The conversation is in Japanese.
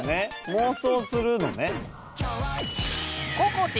妄想するのね。